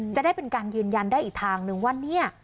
จะได้เป็นการยืนยันได้อีกทางนึงว่าเนี่ย